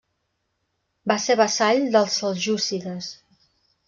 Va ser vassall dels seljúcides.